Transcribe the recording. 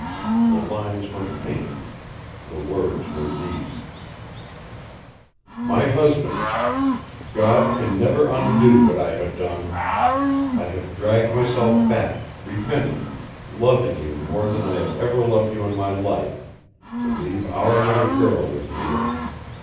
The lines were faint. The words were these: MY HUSBAND, God can never undo what I have done. I have dragged myself back, repentant, loving you more than I have ever loved you in my life, to leave our little girl with you.